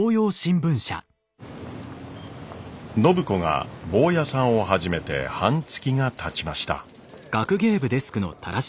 暢子がボーヤさんを始めて半月がたちました。